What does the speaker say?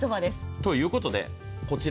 ということでこちら。